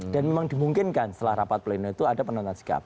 dan memang dimungkinkan setelah rapat pleno itu ada penontonan sikap